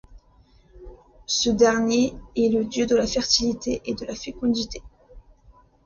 Ce dernier est le dieu de la fertilité et de la fécondité.